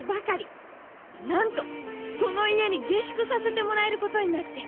なんとその家に下宿させてもらえることになって！